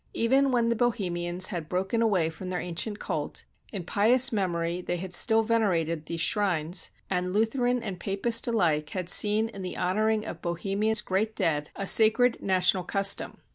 Even when the Bohemians had broken away from their ancient cult, in pious memory they had still venerated these shrines, and Lutheran and Papist alike had seen in the honoring of Bohemia's great dead a 287 AUSTRIA HUNGARY sacred national custom.